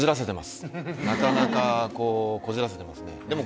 なかなかこじらせてますね。